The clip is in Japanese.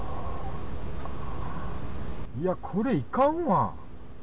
いや、これいかんわ。